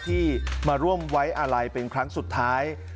ที่มาร่วมไว้อาลัยเป็นครั้งสุดท้าย